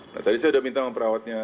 nah tadi saya udah minta sama perawatnya